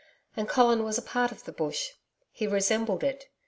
And Colin was a part of the Bush. He resembled it.